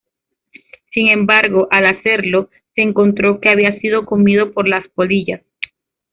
Sin embargo, al hacerlo, se encontró que había sido comido por las polillas.